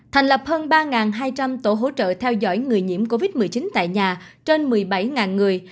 thành lập hơn ba hai trăm linh tổ hỗ trợ theo dõi người nhiễm covid một mươi chín tại nhà trên một mươi bảy người